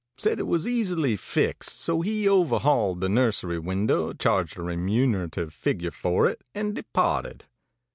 Said it was easily fixed. So he overhauled the nursery window, charged a remunerative figure for it, and departed.